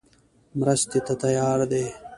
مرستې ته تیار دی.